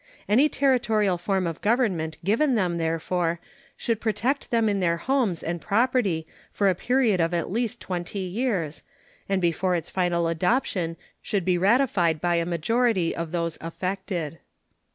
Any Territorial form of government given them, therefore, should protect them in their homes and property for a period of at least twenty years, and before its final adoption should be ratified by a majority of those affected.